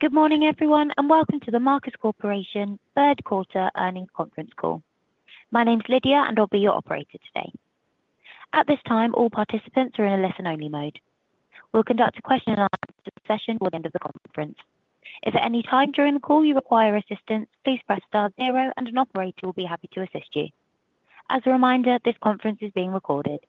Good morning, everyone, and welcome to The Marcus Corporation Third Quarter Earnings Conference Call. My name's Lydia, and I'll be your operator today. At this time, all participants are in a listen-only mode. We'll conduct a question-and-answer session towards the end of the conference. If at any time during the call you require assistance, please press star zero, and an operator will be happy to assist you. As a reminder, this conference is being recorded.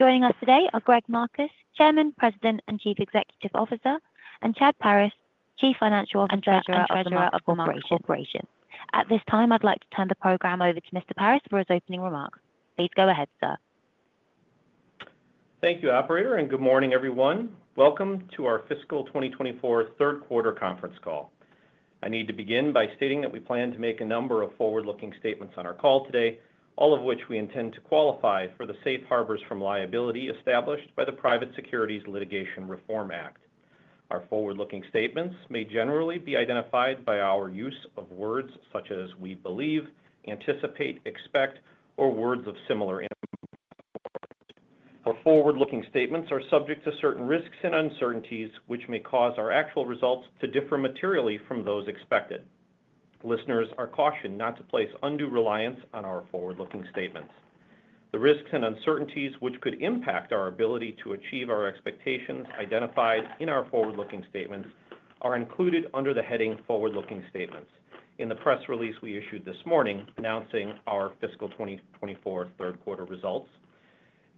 Joining us today are Greg Marcus, Chairman, President, and Chief Executive Officer, and Chad Paris, Chief Financial Officer at The Marcus Corporation. At this time, I'd like to turn the program over to Mr. Paris for his opening remarks. Please go ahead, sir. Thank you, Operator, and good morning, everyone. Welcome to our fiscal 2024 Third Quarter Conference Call. I need to begin by stating that we plan to make a number of forward-looking statements on our call today, all of which we intend to qualify for the safe harbors from liability established by the Private Securities Litigation Reform Act. Our forward-looking statements may generally be identified by our use of words such as "we believe," "anticipate," "expect," or words of similar importance. Our forward-looking statements are subject to certain risks and uncertainties, which may cause our actual results to differ materially from those expected. Listeners are cautioned not to place undue reliance on our forward-looking statements. The risks and uncertainties which could impact our ability to achieve our expectations identified in our forward-looking statements are included under the heading "Forward-looking Statements" in the press release we issued this morning announcing our fiscal 2024 third quarter results,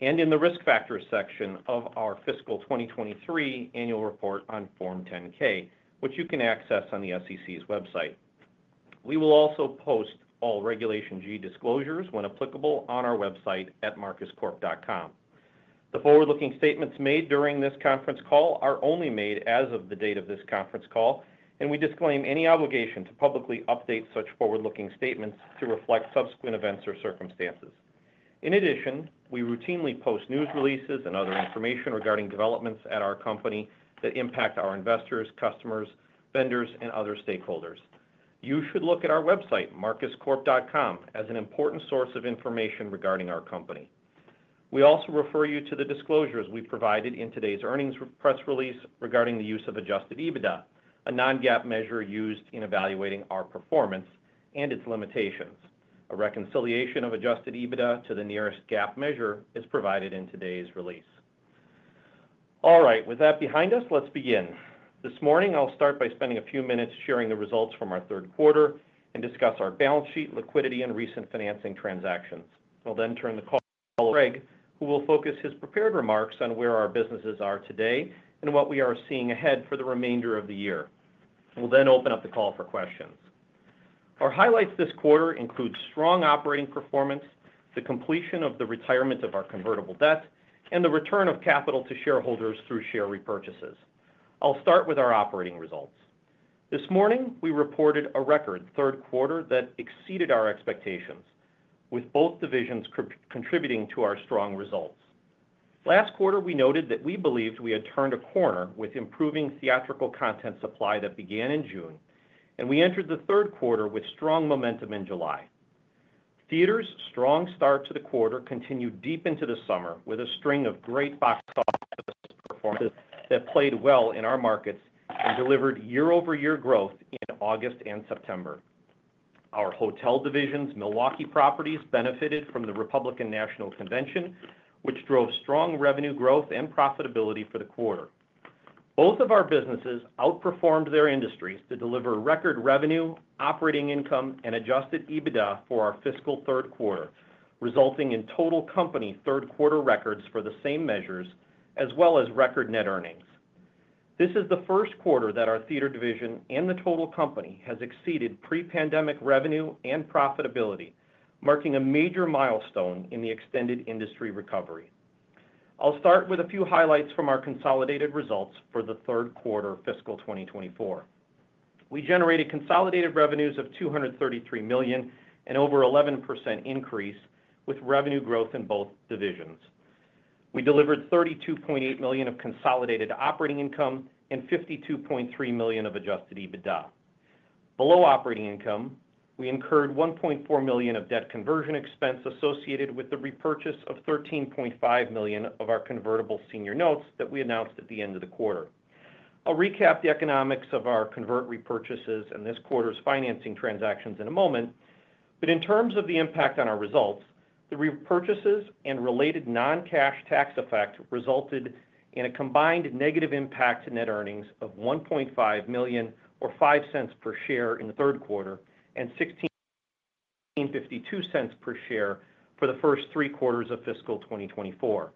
and in the risk factors section of our fiscal 2023 Annual Report on Form 10-K, which you can access on the SEC's website. We will also post all Regulation G disclosures, when applicable, on our website at marcuscorp.com. The forward-looking statements made during this conference call are only made as of the date of this conference call, and we disclaim any obligation to publicly update such forward-looking statements to reflect subsequent events or circumstances. In addition, we routinely post news releases and other information regarding developments at our company that impact our investors, customers, vendors, and other stakeholders. You should look at our website, marcuscorp.com, as an important source of information regarding our company. We also refer you to the disclosures we provided in today's earnings press release regarding the use of Adjusted EBITDA, a non-GAAP measure used in evaluating our performance and its limitations. A reconciliation of Adjusted EBITDA to the nearest GAAP measure is provided in today's release. All right, with that behind us, let's begin. This morning, I'll start by spending a few minutes sharing the results from our third quarter and discuss our balance sheet, liquidity, and recent financing transactions. I'll then turn the call to Greg, who will focus his prepared remarks on where our businesses are today and what we are seeing ahead for the remainder of the year. We'll then open up the call for questions. Our highlights this quarter include strong operating performance, the completion of the retirement of our convertible debt, and the return of capital to shareholders through share repurchases. I'll start with our operating results. This morning, we reported a record third quarter that exceeded our expectations, with both divisions contributing to our strong results. Last quarter, we noted that we believed we had turned a corner with improving theatrical content supply that began in June, and we entered the third quarter with strong momentum in July. Theater's strong start to the quarter continued deep into the summer with a string of great box office performances that played well in our markets and delivered year-over-year growth in August and September. Our hotel division's Milwaukee properties benefited from the Republican National Convention, which drove strong revenue growth and profitability for the quarter. Both of our businesses outperformed their industries to deliver record revenue, operating income, and Adjusted EBITDA for our fiscal third quarter, resulting in total company third quarter records for the same measures, as well as record net earnings. This is the first quarter that our theater division and the total company has exceeded pre-pandemic revenue and profitability, marking a major milestone in the extended industry recovery. I'll start with a few highlights from our consolidated results for the third quarter fiscal 2024. We generated consolidated revenues of $233 million and over 11% increase with revenue growth in both divisions. We delivered $32.8 million of consolidated operating income and $52.3 million of Adjusted EBITDA. Below operating income, we incurred $1.4 million of debt conversion expense associated with the repurchase of $13.5 million of our convertible senior notes that we announced at the end of the quarter. I'll recap the economics of our convertible repurchases and this quarter's financing transactions in a moment, but in terms of the impact on our results, the repurchases and related non-cash tax effect resulted in a combined negative impact to net earnings of $1.5 million or $0.05 per share in the third quarter and $16.52 per share for the first three quarters of fiscal 2024.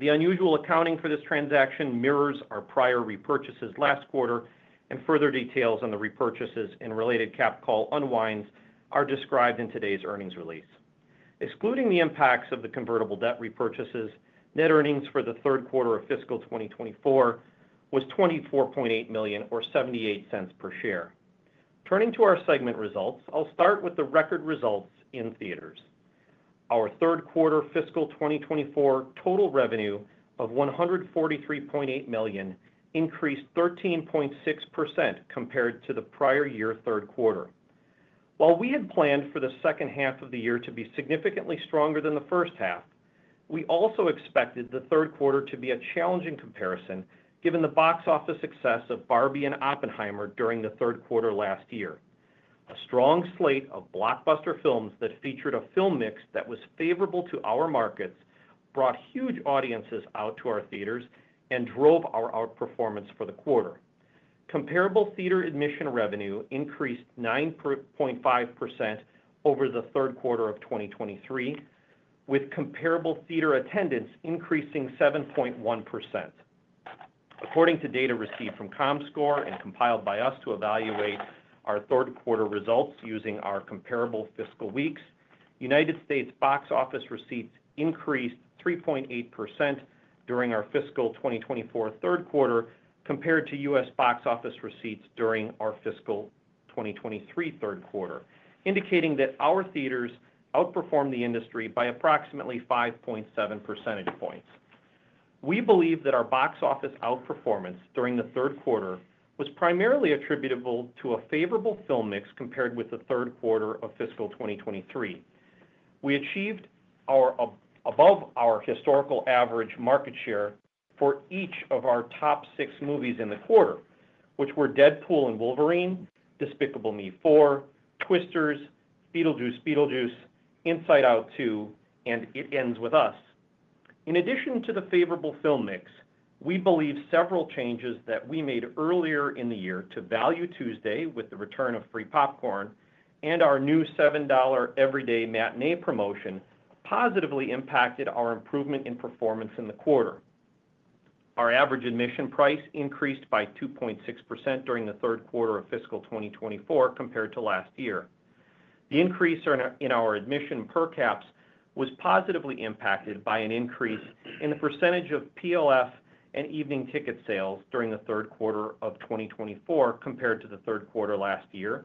The unusual accounting for this transaction mirrors our prior repurchases last quarter, and further details on the repurchases and related cap call unwinds are described in today's earnings release. Excluding the impacts of the convertible debt repurchases, net earnings for the third quarter of fiscal 2024 was $24.8 million or $0.78 per share. Turning to our segment results, I'll start with the record results in theaters. Our third quarter fiscal 2024 total revenue of $143.8 million increased 13.6% compared to the prior year third quarter. While we had planned for the second half of the year to be significantly stronger than the first half, we also expected the third quarter to be a challenging comparison given the box office success of Barbie and Oppenheimer during the third quarter last year. A strong slate of blockbuster films that featured a film mix that was favorable to our markets brought huge audiences out to our theaters and drove our outperformance for the quarter. Comparable theater admission revenue increased 9.5% over the third quarter of 2023, with comparable theater attendance increasing 7.1%. According to data received from Comscore and compiled by us to evaluate our third quarter results using our comparable fiscal weeks, United States box office receipts increased 3.8% during our fiscal 2024 third quarter compared to U.S. box office receipts during our fiscal 2023 third quarter, indicating that our theaters outperformed the industry by approximately 5.7 percentage points. We believe that our box office outperformance during the third quarter was primarily attributable to a favorable film mix compared with the third quarter of fiscal 2023. We achieved above our historical average market share for each of our top six movies in the quarter, which were Deadpool & Wolverine, Despicable Me 4, Twisters, Beetlejuice Beetlejuice, Inside Out 2, and It Ends with Us. In addition to the favorable film mix, we believe several changes that we made earlier in the year to Value Tuesday with the return of free popcorn and our new $7 Everyday Matinee promotion positively impacted our improvement in performance in the quarter. Our average admission price increased by 2.6% during the third quarter of fiscal 2024 compared to last year. The increase in our admission per caps was positively impacted by an increase in the percentage of PLF and evening ticket sales during the third quarter of 2024 compared to the third quarter last year,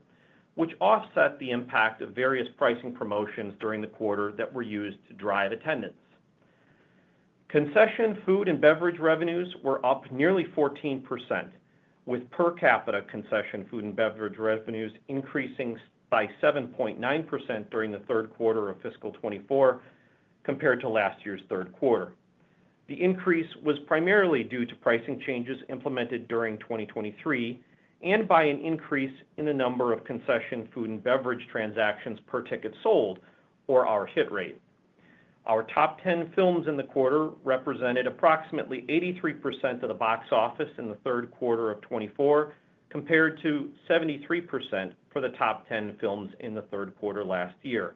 which offset the impact of various pricing promotions during the quarter that were used to drive attendance. Concession food and beverage revenues were up nearly 14%, with per capita concession food and beverage revenues increasing by 7.9% during the third quarter of fiscal 2024 compared to last year's third quarter. The increase was primarily due to pricing changes implemented during 2023 and by an increase in the number of concession food and beverage transactions per ticket sold, or our hit rate. Our top 10 films in the quarter represented approximately 83% of the box office in the third quarter of 2024 compared to 73% for the top 10 films in the third quarter last year.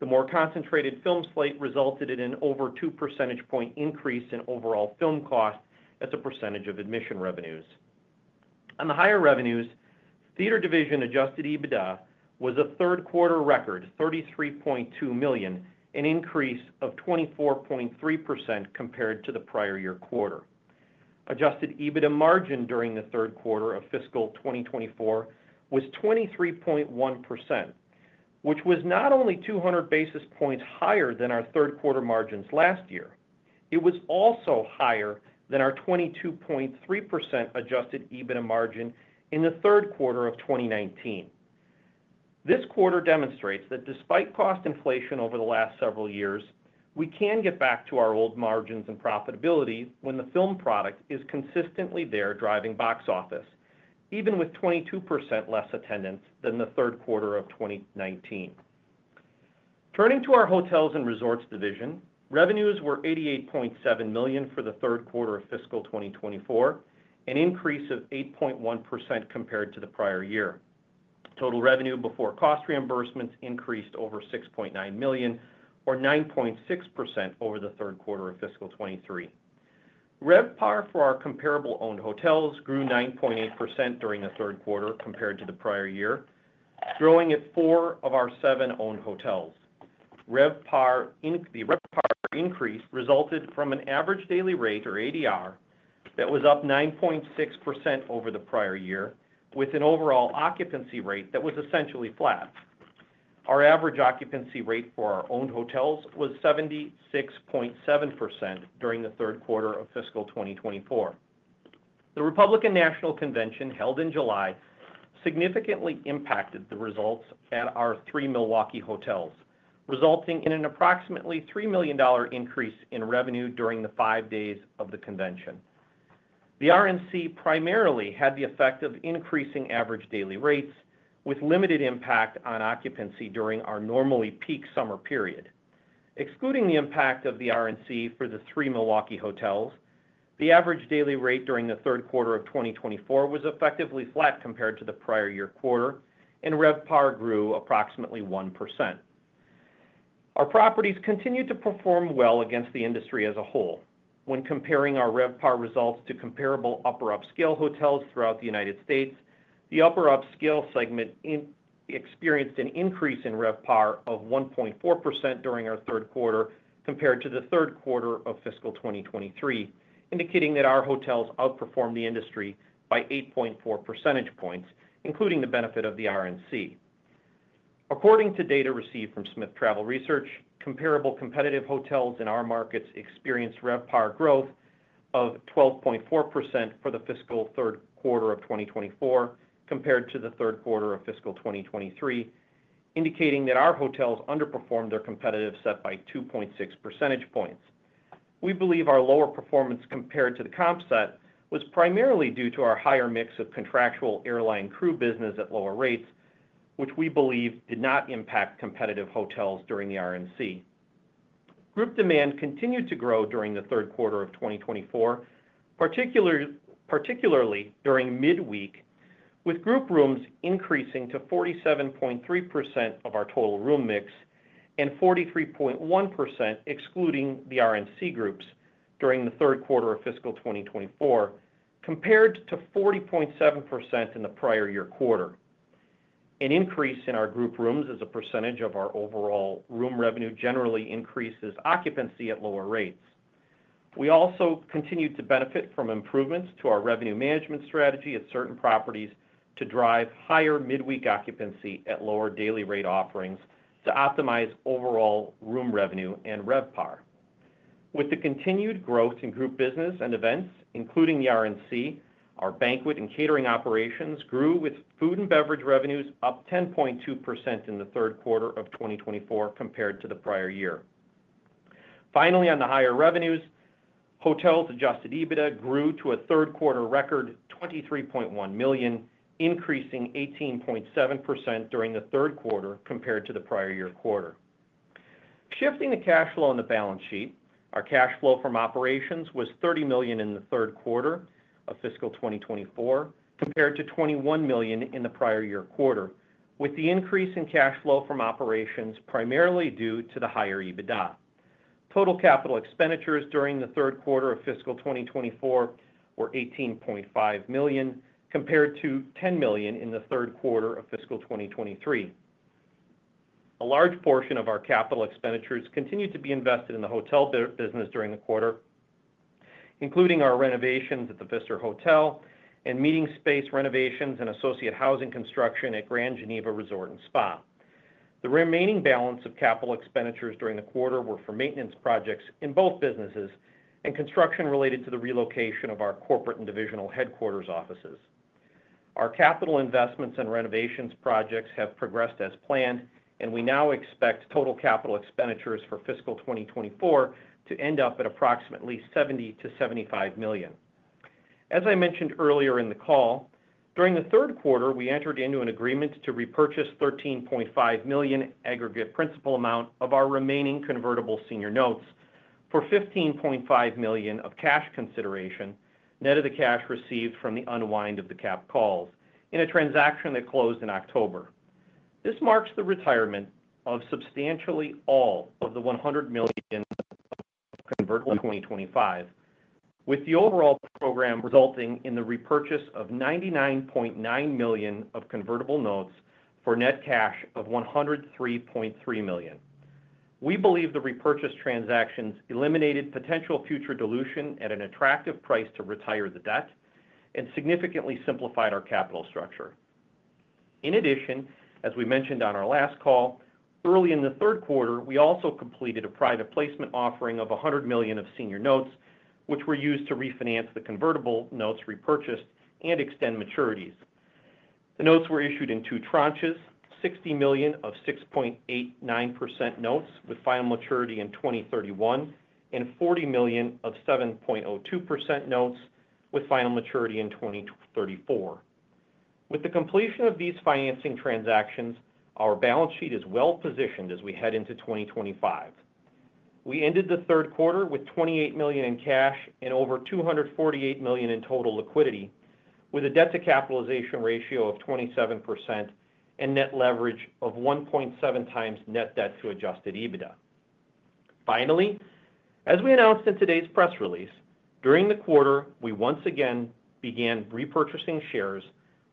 The more concentrated film slate resulted in an over two percentage point increase in overall film cost as a percentage of admission revenues. On the higher revenues, theater division Adjusted EBITDA was a third quarter record, $33.2 million, an increase of 24.3% compared to the prior year quarter. Adjusted EBITDA margin during the third quarter of fiscal 2024 was 23.1%, which was not only 200 basis points higher than our third quarter margins last year, it was also higher than our 22.3% Adjusted EBITDA margin in the third quarter of 2019. This quarter demonstrates that despite cost inflation over the last several years, we can get back to our old margins and profitability when the film product is consistently there driving box office, even with 22% less attendance than the third quarter of 2019. Turning to our hotels and resorts division, revenues were $88.7 million for the third quarter of fiscal 2024, an increase of 8.1% compared to the prior year. Total revenue before cost reimbursements increased over $6.9 million, or 9.6% over the third quarter of fiscal 2023. RevPAR for our comparable-owned hotels grew 9.8% during the third quarter compared to the prior year, growing at four of our seven owned hotels. RevPAR increase resulted from an average daily rate, or ADR, that was up 9.6% over the prior year, with an overall occupancy rate that was essentially flat. Our average occupancy rate for our owned hotels was 76.7% during the third quarter of fiscal 2024. The Republican National Convention held in July significantly impacted the results at our three Milwaukee hotels, resulting in an approximately $3 million increase in revenue during the five days of the convention. The RNC primarily had the effect of increasing average daily rates, with limited impact on occupancy during our normally peak summer period. Excluding the impact of the RNC for the three Milwaukee hotels, the average daily rate during the third quarter of 2024 was effectively flat compared to the prior year quarter, and RevPAR grew approximately 1%. Our properties continued to perform well against the industry as a whole. When comparing our RevPAR results to comparable Upper Upscale hotels throughout the United States, the Upper Upscale segment experienced an increase in RevPAR of 1.4% during our third quarter compared to the third quarter of fiscal 2023, indicating that our hotels outperformed the industry by 8.4 percentage points, including the benefit of the RNC. According to data received from Smith Travel Research, comparable competitive hotels in our markets experienced RevPAR growth of 12.4% for the fiscal third quarter of 2024 compared to the third quarter of fiscal 2023, indicating that our hotels underperformed their competitive set by 2.6 percentage points. We believe our lower performance compared to the comp set was primarily due to our higher mix of contractual airline crew business at lower rates, which we believe did not impact competitive hotels during the RNC. Group demand continued to grow during the third quarter of 2024, particularly during midweek, with group rooms increasing to 47.3% of our total room mix and 43.1%, excluding the RNC groups, during the third quarter of fiscal 2024, compared to 40.7% in the prior year quarter. An increase in our group rooms as a percentage of our overall room revenue generally increases occupancy at lower rates. We also continued to benefit from improvements to our revenue management strategy at certain properties to drive higher midweek occupancy at lower daily rate offerings to optimize overall room revenue and RevPAR. With the continued growth in group business and events, including the RNC, our banquet and catering operations grew, with food and beverage revenues up 10.2% in the third quarter of 2024 compared to the prior year. Finally, on the higher revenues, hotels' Adjusted EBITDA grew to a third quarter record, $23.1 million, increasing 18.7% during the third quarter compared to the prior year quarter. Shifting the cash flow on the balance sheet, our cash flow from operations was $30 million in the third quarter of fiscal 2024 compared to $21 million in the prior year quarter, with the increase in cash flow from operations primarily due to the higher EBITDA. Total capital expenditures during the third quarter of fiscal 2024 were $18.5 million compared to $10 million in the third quarter of fiscal 2023. A large portion of our capital expenditures continued to be invested in the hotel business during the quarter, including our renovations at the Pfister Hotel and meeting space renovations and associated housing construction at Grand Geneva Resort and Spa. The remaining balance of capital expenditures during the quarter were for maintenance projects in both businesses and construction related to the relocation of our corporate and divisional headquarters offices. Our capital investments and renovations projects have progressed as planned, and we now expect total capital expenditures for fiscal 2024 to end up at approximately $70 million-$75 million. As I mentioned earlier in the call, during the third quarter, we entered into an agreement to repurchase $13.5 million aggregate principal amount of our remaining convertible senior notes for $15.5 million of cash consideration net of the cash received from the unwind of the cap calls in a transaction that closed in October. This marks the retirement of substantially all of the $100 million of convertible 2025, with the overall program resulting in the repurchase of $99.9 million of convertible notes for net cash of $103.3 million. We believe the repurchase transactions eliminated potential future dilution at an attractive price to retire the debt and significantly simplified our capital structure. In addition, as we mentioned on our last call, early in the third quarter, we also completed a private placement offering of $100 million of senior notes, which were used to refinance the convertible notes repurchased and extend maturities. The notes were issued in two tranches, $60 million of 6.89% notes with final maturity in 2031, and $40 million of 7.02% notes with final maturity in 2034. With the completion of these financing transactions, our balance sheet is well positioned as we head into 2025. We ended the third quarter with $28 million in cash and over $248 million in total liquidity, with a debt-to-capitalization ratio of 27% and net leverage of 1.7x net debt to Adjusted EBITDA. Finally, as we announced in today's press release, during the quarter, we once again began repurchasing shares,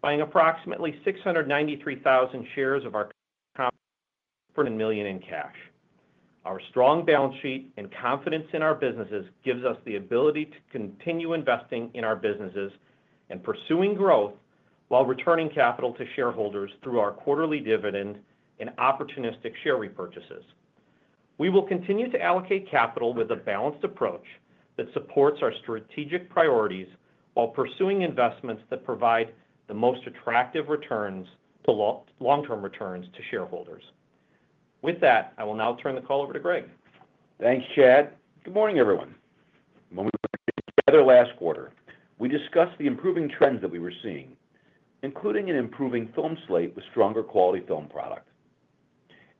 buying approximately 693,000 shares of our company for $100 million in cash. Our strong balance sheet and confidence in our businesses gives us the ability to continue investing in our businesses and pursuing growth while returning capital to shareholders through our quarterly dividend and opportunistic share repurchases. We will continue to allocate capital with a balanced approach that supports our strategic priorities while pursuing investments that provide the most attractive returns to long-term shareholders. With that, I will now turn the call over to Greg. Thanks, Chad. Good morning, everyone. When we were together last quarter, we discussed the improving trends that we were seeing, including an improving film slate with stronger quality film product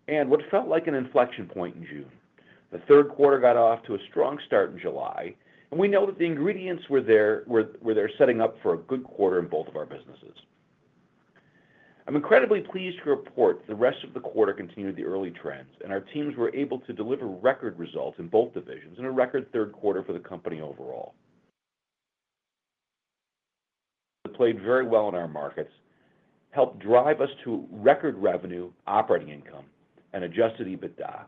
and what felt like an inflection point in June. The third quarter got off to a strong start in July, and we know that the ingredients were there setting up for a good quarter in both of our businesses. I'm incredibly pleased to report the rest of the quarter continued the early trends, and our teams were able to deliver record results in both divisions and a record third quarter for the company overall. It played very well in our markets, helped drive us to record revenue, operating income, and Adjusted EBITDA,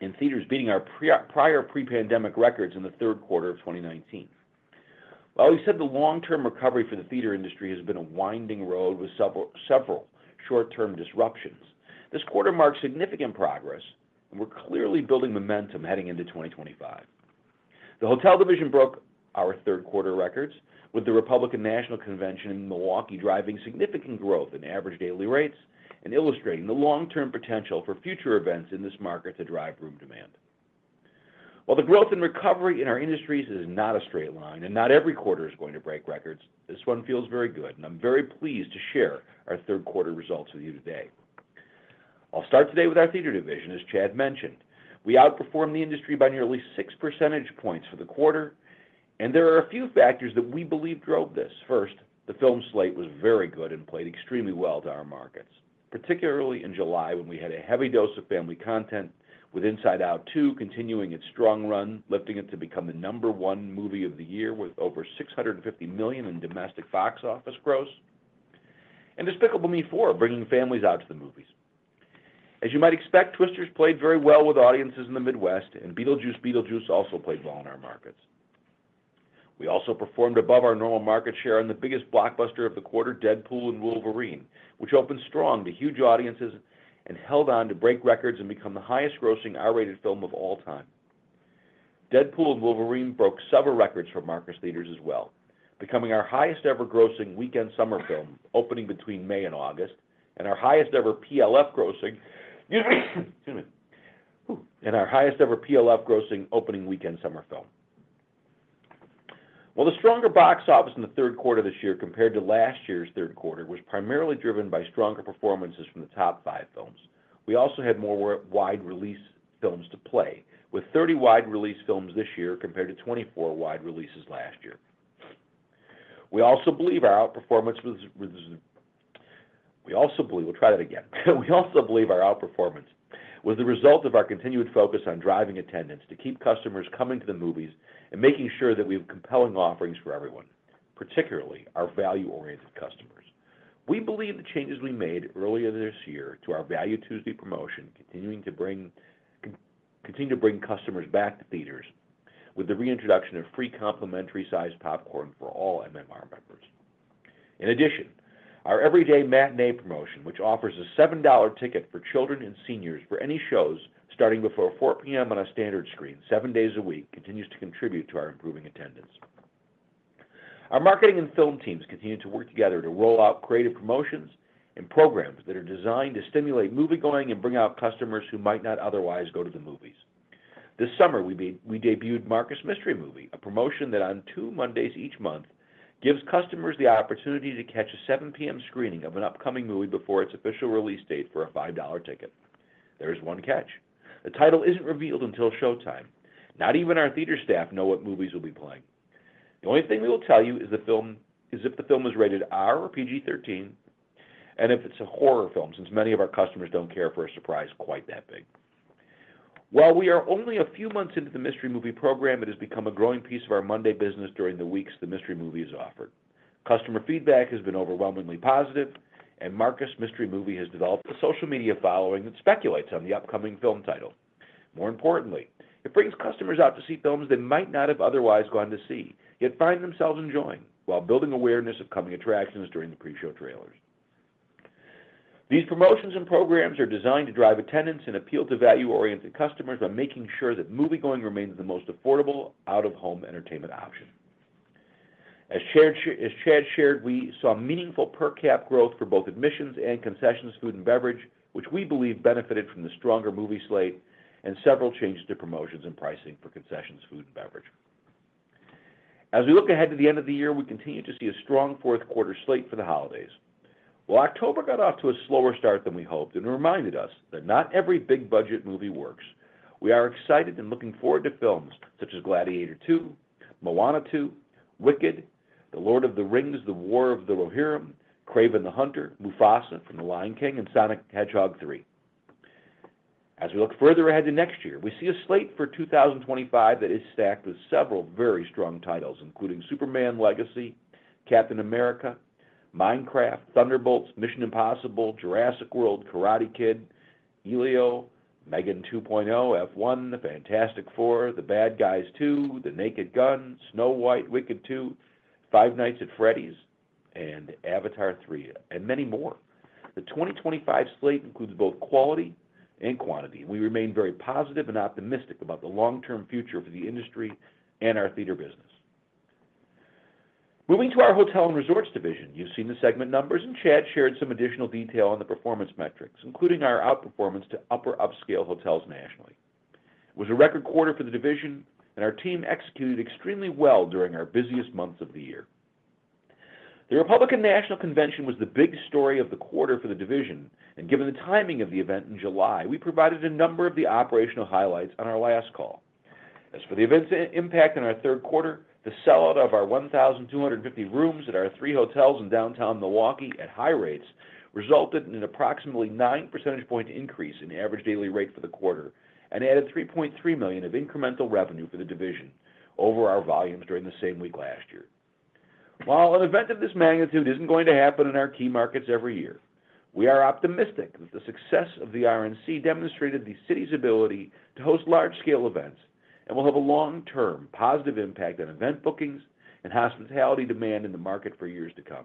and theaters beating our prior pre-pandemic records in the third quarter of 2019. While we said the long-term recovery for the theater industry has been a winding road with several short-term disruptions, this quarter marks significant progress, and we're clearly building momentum heading into 2025. The hotel division broke our third quarter records, with the Republican National Convention in Milwaukee driving significant growth in average daily rates and illustrating the long-term potential for future events in this market to drive room demand. While the growth and recovery in our industries is not a straight line and not every quarter is going to break records, this one feels very good, and I'm very pleased to share our third quarter results with you today. I'll start today with our theater division. As Chad mentioned, we outperformed the industry by nearly 6 percentage points for the quarter, and there are a few factors that we believe drove this. First, the film slate was very good and played extremely well to our markets, particularly in July when we had a heavy dose of family content, with Inside Out 2 continuing its strong run, lifting it to become the number one movie of the year with over $650 million in domestic box office gross, and Despicable Me 4 bringing families out to the movies. As you might expect, Twisters played very well with audiences in the Midwest, and Beetlejuice Beetlejuice also played well in our markets. We also performed above our normal market share on the biggest blockbuster of the quarter, Deadpool & Wolverine, which opened strong to huge audiences and held on to break records and become the highest-grossing R-rated film of all time. Deadpool & Wolverine broke several records for Marcus Theatres as well, becoming our highest-ever grossing weekend summer film opening between May and August and our highest-ever PLF grossing [sneezing] and our highest-ever PLF grossing opening weekend summer film. While the stronger box office in the third quarter this year compared to last year's third quarter was primarily driven by stronger performances from the top five films, we also had more wide-release films to play, with 30 wide-release films this year compared to 24 wide-releases last year. We also believe our outperformance was. We'll try that again. We also believe our outperformance was the result of our continued focus on driving attendance to keep customers coming to the movies and making sure that we have compelling offerings for everyone, particularly our value-oriented customers. We believe the changes we made earlier this year to our Value Tuesday promotion continue to bring customers back to theaters with the reintroduction of free complimentary-sized popcorn for all MMR members. In addition, our everyday matinee promotion, which offers a $7 ticket for children and seniors for any shows starting before 4:00 P.M. on a standard screen seven days a week, continues to contribute to our improving attendance. Our marketing and film teams continue to work together to roll out creative promotions and programs that are designed to stimulate moviegoing and bring out customers who might not otherwise go to the movies. This summer, we debuted Marcus Mystery Movie, a promotion that on two Mondays each month gives customers the opportunity to catch a 7:00 P.M. screening of an upcoming movie before its official release date for a $5 ticket. There is one catch. The title isn't revealed until showtime. Not even our theater staff know what movies we'll be playing. The only thing we will tell you is if the film is rated R or PG-13 and if it's a horror film, since many of our customers don't care for a surprise quite that big. While we are only a few months into the Mystery Movie program, it has become a growing piece of our Monday business during the weeks the Mystery Movie is offered. Customer feedback has been overwhelmingly positive, and Marcus Mystery Movie has developed a social media following that speculates on the upcoming film title. More importantly, it brings customers out to see films they might not have otherwise gone to see, yet find themselves enjoying while building awareness of coming attractions during the pre-show trailers. These promotions and programs are designed to drive attendance and appeal to value-oriented customers by making sure that moviegoing remains the most affordable out-of-home entertainment option. As Chad shared, we saw meaningful per-cap growth for both admissions and concessions food and beverage, which we believe benefited from the stronger movie slate and several changes to promotions and pricing for concessions food and beverage. As we look ahead to the end of the year, we continue to see a strong fourth quarter slate for the holidays. While October got off to a slower start than we hoped and reminded us that not every big-budget movie works, we are excited and looking forward to films such as Gladiator II, Moana 2, Wicked, The Lord of the Rings: The War of the Rohirrim, Kraven the Hunter, Mufasa: The Lion King, and Sonic the Hedgehog 3. As we look further ahead to next year, we see a slate for 2025 that is stacked with several very strong titles, including Superman: Legacy, Captain America, Minecraft, Thunderbolts, Mission: Impossible, Jurassic World, Karate Kid, Elio, M3GAN 2.0, F1, The Fantastic Four, The Bad Guys 2, The Naked Gun, Snow White, Wicked 2, Five Nights at Freddy's, and Avatar 3, and many more. The 2025 slate includes both quality and quantity, and we remain very positive and optimistic about the long-term future for the industry and our theater business. Moving to our hotel and resorts division, you've seen the segment numbers, and Chad shared some additional detail on the performance metrics, including our outperformance to Upper Upscale hotels nationally. It was a record quarter for the division, and our team executed extremely well during our busiest months of the year. The Republican National Convention was the big story of the quarter for the division, and given the timing of the event in July, we provided a number of the operational highlights on our last call. As for the event's impact on our third quarter, the sellout of our 1,250 rooms at our three hotels in downtown Milwaukee at high rates resulted in an approximately 9 percentage point increase in average daily rate for the quarter and added $3.3 million of incremental revenue for the division over our volumes during the same week last year. While an event of this magnitude isn't going to happen in our key markets every year, we are optimistic that the success of the RNC demonstrated the city's ability to host large-scale events and will have a long-term positive impact on event bookings and hospitality demand in the market for years to come.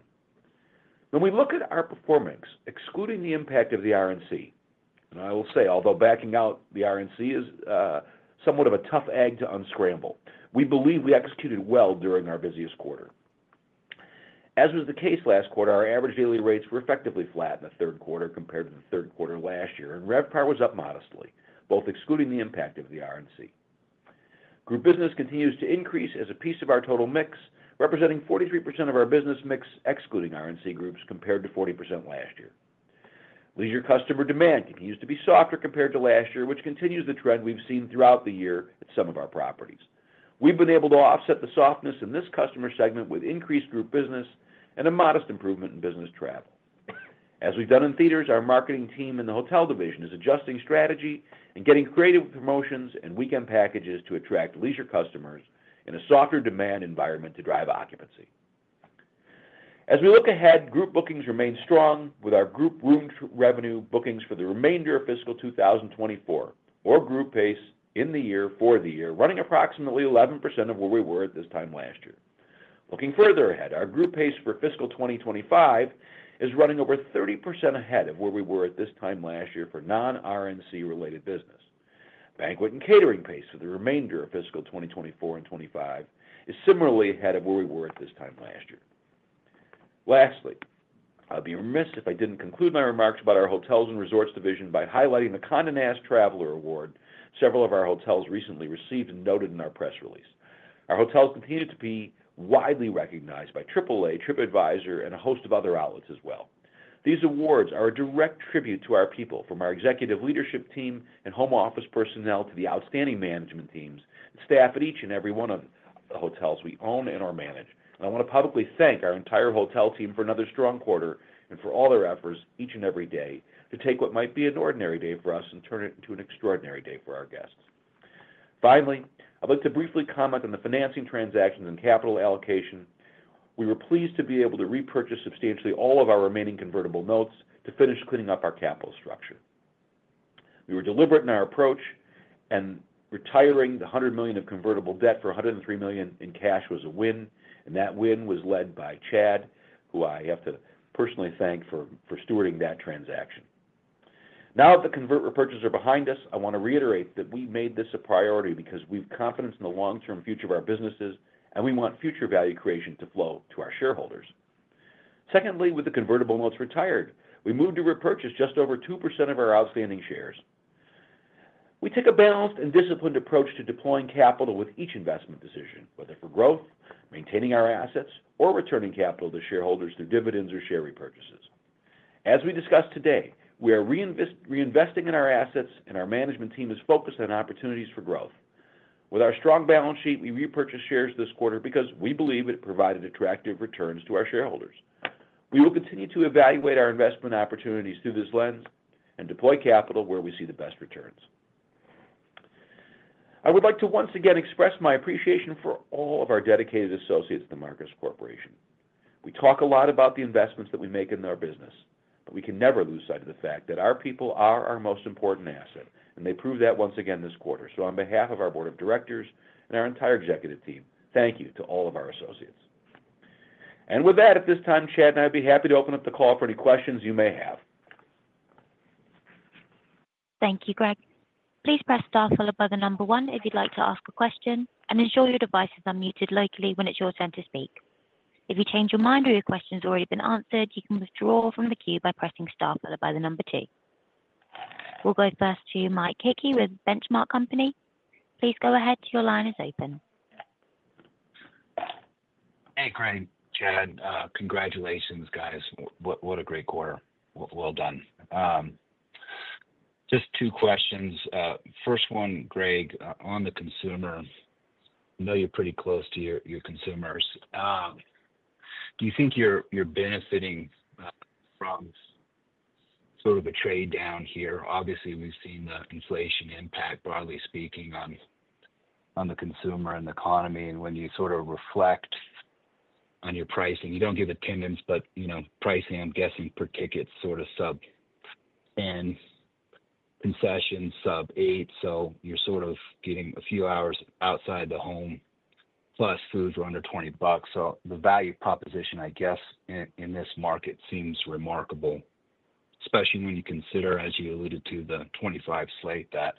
When we look at our performance, excluding the impact of the RNC, and I will say, although backing out the RNC is somewhat of a tough egg to unscramble, we believe we executed well during our busiest quarter. As was the case last quarter, our average daily rates were effectively flat in the third quarter compared to the third quarter last year, and RevPAR was up modestly, both excluding the impact of the RNC. Group business continues to increase as a piece of our total mix, representing 43% of our business mix excluding RNC groups compared to 40% last year. Leisure customer demand continues to be softer compared to last year, which continues the trend we've seen throughout the year at some of our properties. We've been able to offset the softness in this customer segment with increased group business and a modest improvement in business travel. As we've done in theaters, our marketing team and the hotel division are adjusting strategy and getting creative promotions and weekend packages to attract leisure customers in a softer demand environment to drive occupancy. As we look ahead, group bookings remain strong, with our group room revenue bookings for the remainder of fiscal 2024 or group pace in the year for the year, running approximately 11% of where we were at this time last year. Looking further ahead, our group pace for fiscal 2025 is running over 30% ahead of where we were at this time last year for non-RNC-related business. Banquet and catering pace for the remainder of fiscal 2024 and 2025 is similarly ahead of where we were at this time last year. Lastly, I'll be remiss if I didn't conclude my remarks about our hotels and resorts division by highlighting the Condé Nast Traveler Award several of our hotels recently received and noted in our press release. Our hotels continue to be widely recognized by AAA, TripAdvisor, and a host of other outlets as well. These awards are a direct tribute to our people from our executive leadership team and home office personnel to the outstanding management teams and staff at each and every one of the hotels we own and/or manage. I want to publicly thank our entire hotel team for another strong quarter and for all their efforts each and every day to take what might be an ordinary day for us and turn it into an extraordinary day for our guests. Finally, I'd like to briefly comment on the financing transactions and capital allocation. We were pleased to be able to repurchase substantially all of our remaining convertible notes to finish cleaning up our capital structure. We were deliberate in our approach, and retiring the $100 million of convertible debt for $103 million in cash was a win, and that win was led by Chad, who I have to personally thank for stewarding that transaction. Now that the convertible repurchase is behind us, I want to reiterate that we made this a priority because we have confidence in the long-term future of our businesses, and we want future value creation to flow to our shareholders. Secondly, with the convertible notes retired, we moved to repurchase just over 2% of our outstanding shares. We take a balanced and disciplined approach to deploying capital with each investment decision, whether for growth, maintaining our assets, or returning capital to shareholders through dividends or share repurchases. As we discussed today, we are reinvesting in our assets, and our management team is focused on opportunities for growth. With our strong balance sheet, we repurchased shares this quarter because we believe it provided attractive returns to our shareholders. We will continue to evaluate our investment opportunities through this lens and deploy capital where we see the best returns. I would like to once again express my appreciation for all of our dedicated associates at The Marcus Corporation. We talk a lot about the investments that we make in our business, but we can never lose sight of the fact that our people are our most important asset, and they proved that once again this quarter. So, on behalf of our Board of Directors and our entire executive team, thank you to all of our associates. And with that, at this time, Chad and I would be happy to open up the call for any questions you may have. Thank you, Greg. Please press star followed by the number one if you'd like to ask a question, and ensure your device is unmuted locally when it's your turn to speak. If you change your mind or your question has already been answered, you can withdraw from the queue by pressing star followed by the number two. We'll go first to Mike Hickey with The Benchmark Company. Please go ahead. Your line is open. Hey, Greg. Chad, congratulations, guys. What a great quarter. Well done. Just two questions. First one, Greg, on the consumer, I know you're pretty close to your consumers. Do you think you're benefiting from sort of a trade-down here? Obviously, we've seen the inflation impact, broadly speaking, on the consumer and the economy. And when you sort of reflect on your pricing, you don't give attendance, but pricing, I'm guessing, per ticket's sort of sub-10, concessions sub-8, so you're sort of getting a few hours outside the home, plus food for under 20 bucks. The value proposition, I guess, in this market seems remarkable, especially when you consider, as you alluded to, the 2025 slate that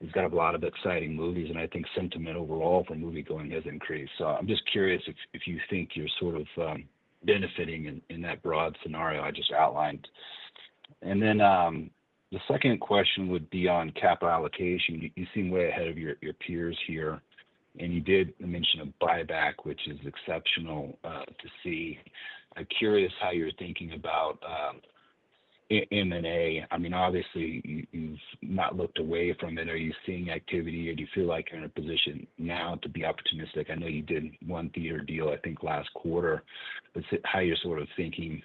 we've got a lot of exciting movies, and I think sentiment overall for moviegoing has increased. So I'm just curious if you think you're sort of benefiting in that broad scenario I just outlined. And then the second question would be on capital allocation. You seem way ahead of your peers here, and you did mention a buyback, which is exceptional to see. I'm curious how you're thinking about M&A. I mean, obviously, you've not looked away from it. Are you seeing activity, or do you feel like you're in a position now to be opportunistic? I know you did one theater deal, I think, last quarter. How are you sort of thinking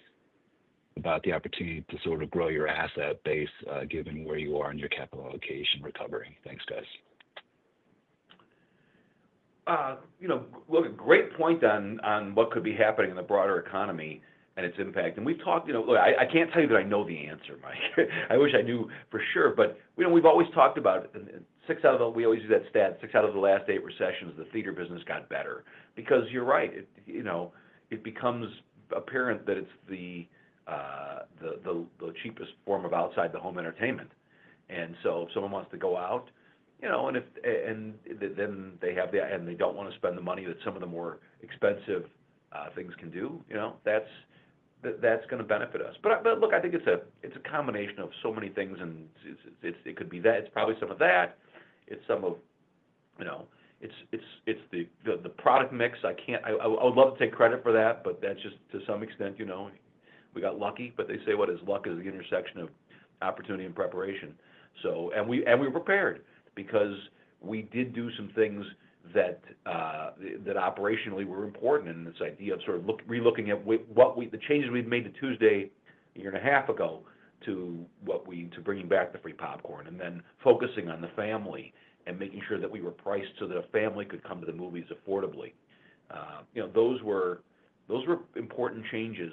about the opportunity to sort of grow your asset base given where you are in your capital allocation recovery? Thanks, guys. What a great point on what could be happening in the broader economy and its impact. And we've talked. Look, I can't tell you that I know the answer, Mike. I wish I knew for sure, but we've always talked about. We always use that stat. Six out of the last eight recessions, the theater business got better. Because you're right, it becomes apparent that it's the cheapest form of outside-the-home entertainment. And so if someone wants to go out and then they have the. And they don't want to spend the money that some of the more expensive things can do, that's going to benefit us. But look, I think it's a combination of so many things, and it could be that. It's probably some of that. It's some of, it's the product mix. I would love to take credit for that, but that's just, to some extent, we got lucky, but they say what is luck is the intersection of opportunity and preparation. And we were prepared because we did do some things that operationally were important in this idea of sort of relooking at the changes we've made to Tuesday a year and a half ago to bringing back the free popcorn and then focusing on the family and making sure that we were priced so that a family could come to the movies affordably. Those were important changes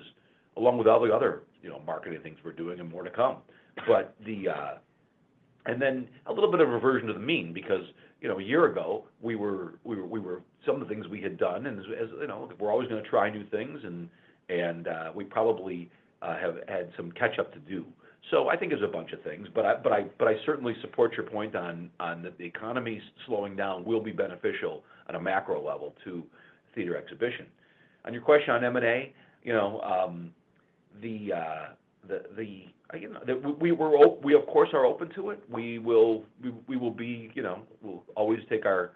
along with all the other marketing things we're doing and more to come. And then a little bit of a reversion to the mean because a year ago, we were, some of the things we had done, and we're always going to try new things, and we probably have had some catch-up to do. So I think it's a bunch of things, but I certainly support your point on that the economy slowing down will be beneficial on a macro level to theater exhibition. On your question on M&A, we of course are open to it. We will be, we'll always take our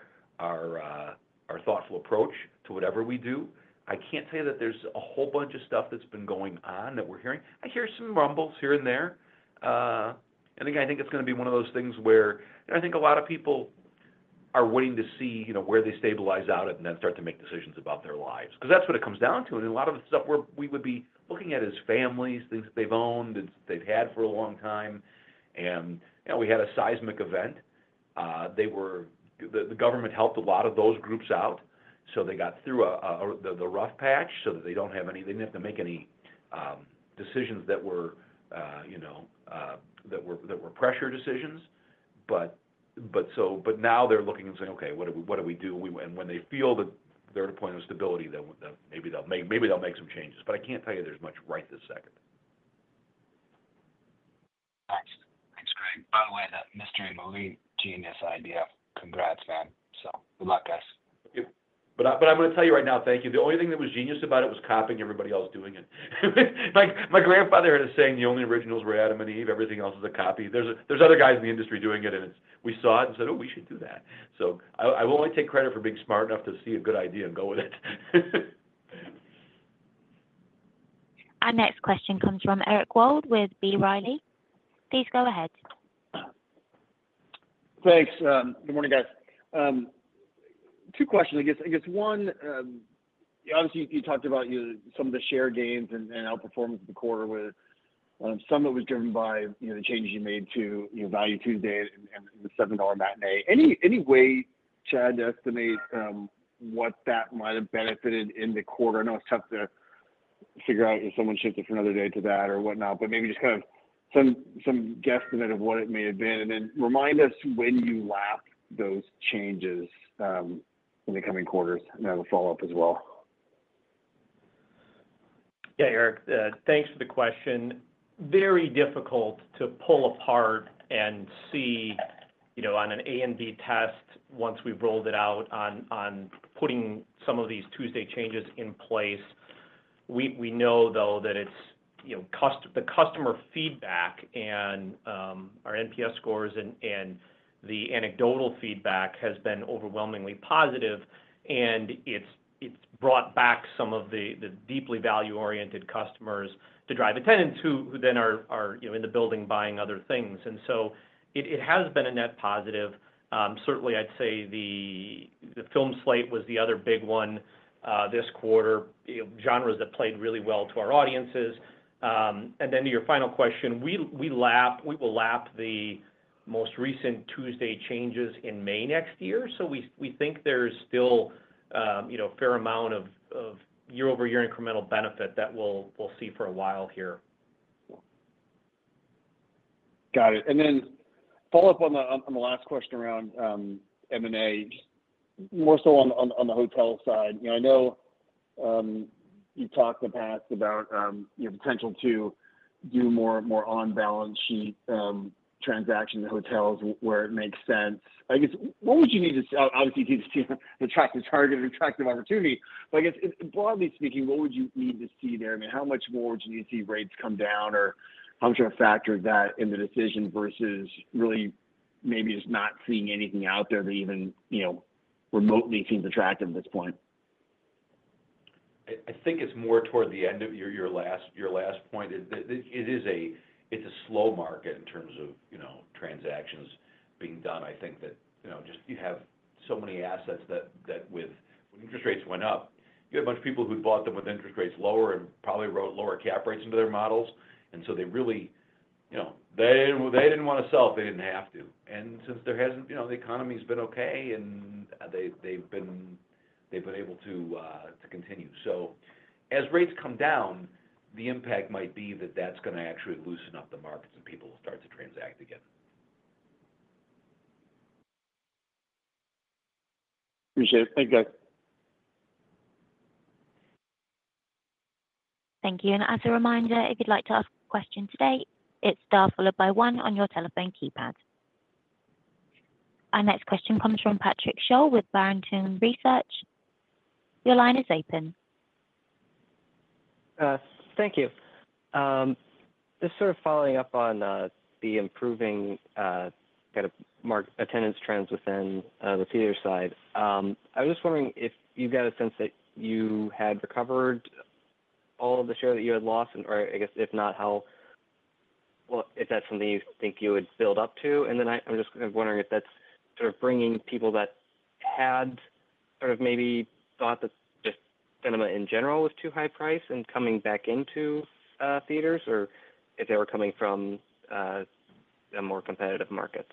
thoughtful approach to whatever we do. I can't say that there's a whole bunch of stuff that's been going on that we're hearing. I hear some rumbles here and there. And again, I think it's going to be one of those things where I think a lot of people are waiting to see where they stabilize out and then start to make decisions about their lives. Because that's what it comes down to. And a lot of the stuff we would be looking at is families, things that they've owned and they've had for a long time. And we had a seismic event. The government helped a lot of those groups out, so they got through the rough patch so that they don't have any. They didn't have to make any decisions that were pressure decisions. But now they're looking and saying, "Okay, what do we do?" And when they feel that they're at a point of stability, then maybe they'll make some changes. But I can't tell you there's much right this second. Thanks. Thanks, Greg. By the way, that Mystery Movie, genius idea. Congrats, man. So good luck, guys. Thank you. But I'm going to tell you right now, thank you. The only thing that was genius about it was copying everybody else doing it. My grandfather had a saying, "The only originals were Adam and Eve. Everything else was a copy." There's other guys in the industry doing it, and we saw it and said, "Oh, we should do that." So I will only take credit for being smart enough to see a good idea and go with it. Our next question comes from Eric Wold with B. Riley Securities. Please go ahead. Thanks. Good morning, guys. Two questions, I guess. One, obviously, you talked about some of the share gains and outperformance of the quarter with some that was driven by the changes you made to Value Tuesday and the $7 matinee. Anyway, Chad, to estimate what that might have benefited in the quarter? I know it's tough to figure out if someone shifted from another day to that or whatnot, but maybe just kind of some guesstimate of what it may have been. And then remind us when you lapped those changes in the coming quarters and have a follow-up as well. Yeah, Eric, thanks for the question. Very difficult to pull apart and see on an A and B test once we've rolled it out on putting some of these Tuesday changes in place. We know, though, that the customer feedback and our NPS scores and the anecdotal feedback has been overwhelmingly positive, and it's brought back some of the deeply value-oriented customers to drive attendance who then are in the building buying other things. And so it has been a net positive. Certainly, I'd say the film slate was the other big one this quarter, genres that played really well to our audiences. And then to your final question, we will lap the most recent Tuesday changes in May next year. So we think there's still a fair amount of year-over-year incremental benefit that we'll see for a while here. Got it. And then follow-up on the last question around M&A, just more so on the hotel side. I know you've talked in the past about the potential to do more on-balance sheet transactions in hotels where it makes sense. I guess, what would you need to see? Obviously, you need to see an attractive target and attractive opportunity. But I guess, broadly speaking, what would you need to see there? I mean, how much more would you need to see rates come down, or how much are you going to factor that in the decision versus really maybe just not seeing anything out there that even remotely seems attractive at this point? I think it's more toward the end of your last point. It is a slow market in terms of transactions being done. I think that just you have so many assets that when interest rates went up, you had a bunch of people who'd bought them with interest rates lower and probably wrote lower cap rates into their models. And so they really, they didn't want to sell if they didn't have to. And since the economy has been okay, they've been able to continue. So as rates come down, the impact might be that that's going to actually loosen up the markets and people will start to transact again. Appreciate it. Thank you, guys. Thank you. And as a reminder, if you'd like to ask a question today, it's star, followed by one on your telephone keypad. Our next question comes from Patrick Sholl with Barrington Research. Your line is open. Thank you. Just sort of following up on the improving kind of attendance trends within the theater side, I was just wondering if you've got a sense that you had recovered all of the share that you had lost, or I guess, if not, how, well, if that's something you think you would build up to. And then I'm just kind of wondering if that's sort of bringing people that had sort of maybe thought that just cinema in general was too high-priced and coming back into theaters, or if they were coming from more competitive markets.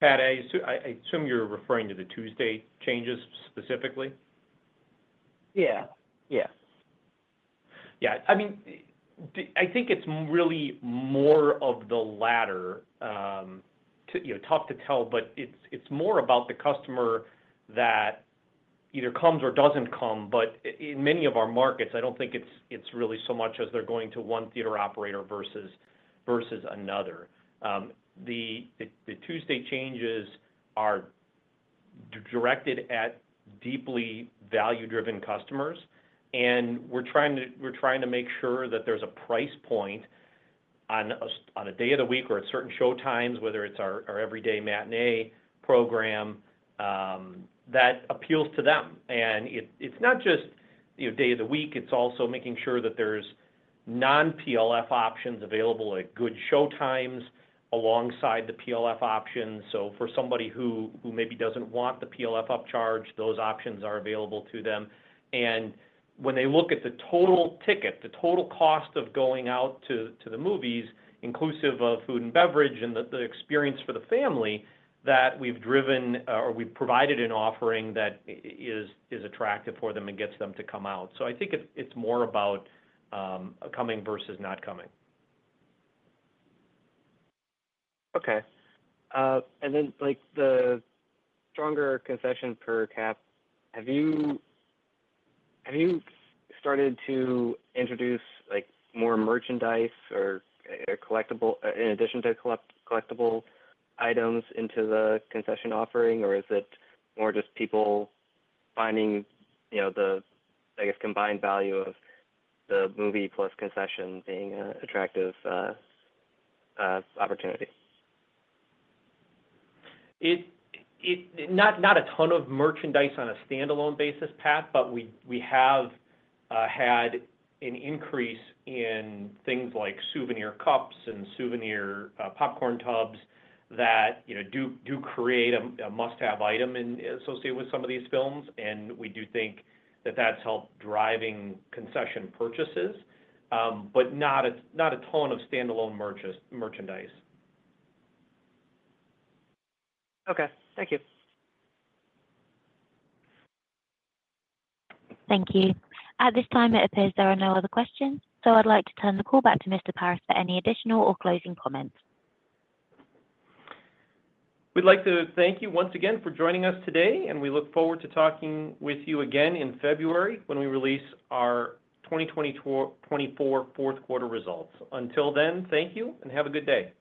Chad, I assume you're referring to the Tuesday changes specifically? Yeah. Yeah. Yeah. I mean, I think it's really more of the latter. Tough to tell, but it's more about the customer that either comes or doesn't come. But in many of our markets, I don't think it's really so much as they're going to one theater operator versus another. The Tuesday changes are directed at deeply value-driven customers, and we're trying to make sure that there's a price point on a day of the week or at certain showtimes, whether it's our Everyday Matinee program, that appeals to them. And it's not just day of the week. It's also making sure that there's non-PLF options available at good showtimes alongside the PLF options. So for somebody who maybe doesn't want the PLF upcharge, those options are available to them. And when they look at the total ticket, the total cost of going out to the movies, inclusive of food and beverage and the experience for the family, that we've driven or we've provided an offering that is attractive for them and gets them to come out. So I think it's more about coming versus not coming. Okay. And then the stronger concession per cap, have you started to introduce more merchandise or in addition to collectible items into the concession offering, or is it more just people finding the, I guess, combined value of the movie plus concession being an attractive opportunity? Not a ton of merchandise on a standalone basis, Pat, but we have had an increase in things like souvenir cups and souvenir popcorn tubs that do create a must-have item associated with some of these films. And we do think that that's helped driving concession purchases, but not a ton of standalone merchandise. Okay. Thank you. Thank you. At this time, it appears there are no other questions, so I'd like to turn the call back to Mr. Paris for any additional or closing comments. We'd like to thank you once again for joining us today, and we look forward to talking with you again in February when we release our 2024 fourth quarter results. Until then, thank you and have a good day.